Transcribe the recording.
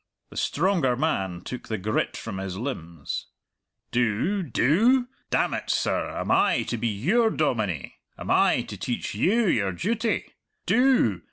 The stronger man took the grit from his limbs. "Do do? Damn it, sir, am I to be your dominie? Am I to teach you your duty? Do!